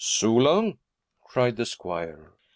'Sula!' cried the squire.